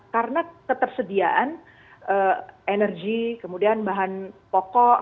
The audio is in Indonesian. karena ketersediaan energi kemudian bahan pokok